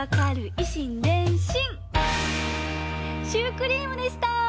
以心伝心」シュークリームでした！